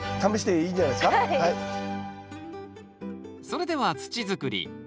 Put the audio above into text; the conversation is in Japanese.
それでは土づくり。